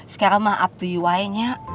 sekarang mah up to you aja nya